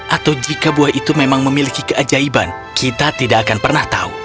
atau jika buah itu memang memiliki keajaiban kita tidak akan pernah tahu